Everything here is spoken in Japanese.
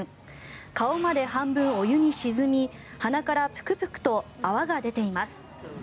顔まで半分お湯に沈み鼻からプクプクと泡が出ています。